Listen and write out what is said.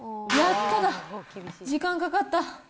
やっとだ、時間かかった。